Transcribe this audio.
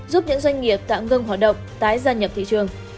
giúp những doanh nghiệp tạm ngưng hoạt động tái gia nhập thị trường